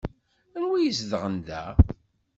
Anwa i izedɣen da?